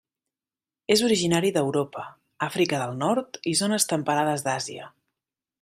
És originari d'Europa, Àfrica del Nord i zones temperades d'Àsia.